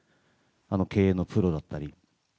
経営のプロだったり。